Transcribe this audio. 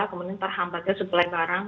kemudian terhambatnya suplai barang